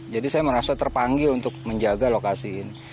jadi saya merasa terpanggil untuk menjaga lokasi ini